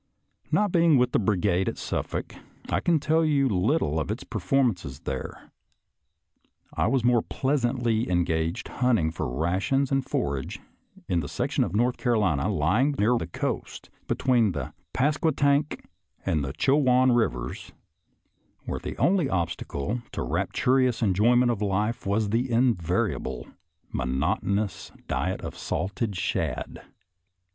Not being with the brigade at Suffolk, I can tell you little of its performances there. I was more pleasantly engaged hunting for rations and forage in the section of North Carolina lying near the coast between the Pasquatank and Chowan rivers, where the only obstacle to rap turous enjoyment of life was the invariable mo notonous diet of salted shad.